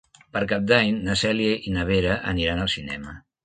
Per Cap d'Any na Cèlia i na Vera aniran al cinema.